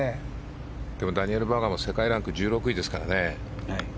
でもダニエル・バーガーも世界ランク１６位ですからね。